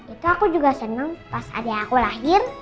itu aku juga senang pas adik aku lahir